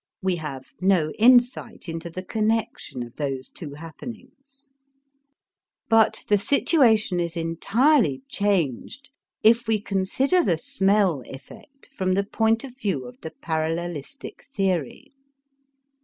We have no insight into the connection of those two happenings. But the situation is entirely changed, if we consider the smell effect from the point of view of the parallelistic theory.